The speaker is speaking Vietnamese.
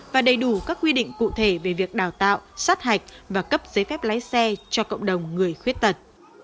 và đầy đủ các quy định cụ thể về việc đào tạo sát hạch và cấp giấy phép lái xe cho cộng đồng người khuyết tật